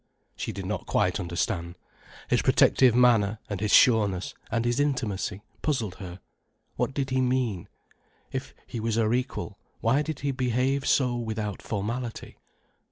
She did not quite understand. His protective manner, and his sureness, and his intimacy, puzzled her. What did he mean? If he was her equal, why did he behave so without formality?